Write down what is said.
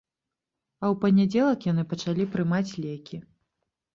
А ў панядзелак яны пачалі прымаць лекі.